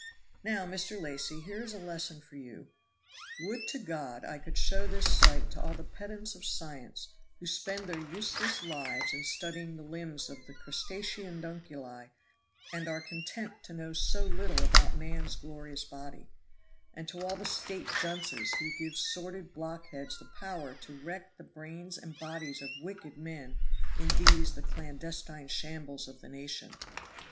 "Now, Mr. Lacy, here is a lesson for you. Would to God I could show this sight to all the pedants of science who spend their useless lives in studying the limbs of the crustaceonidunculae, and are content to know so little about man's glorious body; and to all the State dunces who give sordid blockheads the power to wreck the brains and bodies of wicked men in these the clandestine shambles of the nation.